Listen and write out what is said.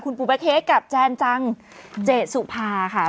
คุณปูบาเค้กกับแจนจังเจสุภาค่ะ